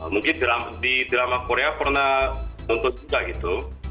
mungkin di drama korea pernah nuntut juga gitu